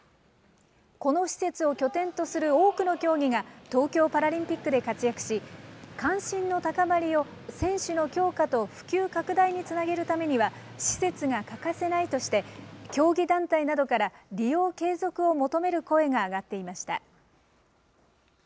この施設を拠点とする多くの競技が、東京パラリンピックで活躍し、関心の高まりを選手の強化と普及拡大につなげるためには、施設が欠かせないとして、競技団体などから、利用継続を求める声が上がっていました。